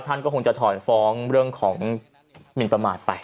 ท่านก็คงจะถอนฟ้องเรื่องของหมินประมาทไป